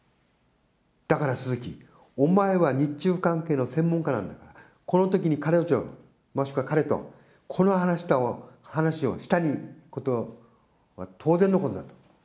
だから鈴木、お前は日中関係の専門家なんだから、このときに彼女、もしくは彼と、この話をしたことは当然のことだと。